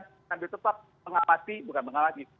dan tetap mengamati bukan mengalami